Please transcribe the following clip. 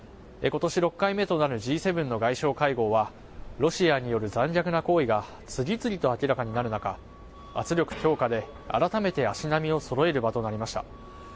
ことし６回目となるＧ７の外相会合は、ロシアによる残虐な行為が次々と明らかになる中、圧力強化で改めて足並みをそろえる場となりました。